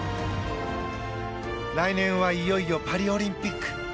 来年はいよいよパリオリンピック。